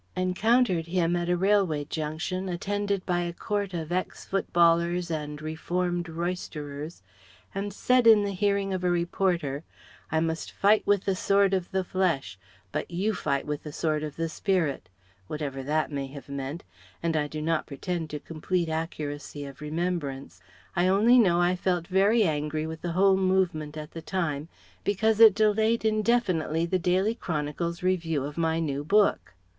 encountered him at a railway junction, attended by a court of ex footballers and reformed roysterers, and said in the hearing of a reporter "I must fight with the Sword of the Flesh; but you fight with the Sword of the Spirit" whatever that may have meant and I do not pretend to complete accuracy of remembrance I only know I felt very angry with the whole movement at the time, because it delayed indefinitely the Daily Chronicle's review of my new book.